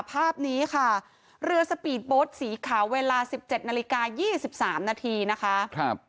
ภาพนี้ค่ะเรือสปีดโบสต์สีขาวเวลา๑๗นาฬิกา๒๓นาทีนะคะ